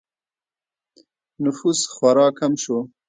نفوس خورا کم شو